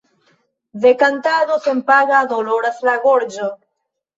De kantado senpaga doloras la gorĝo.